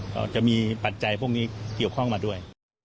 ก็จะมีปัจจัยพวกนี้เกี่ยวข้องมาด้วย